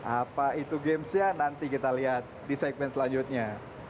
apa itu gamesnya nanti kita lihat di segmen selanjutnya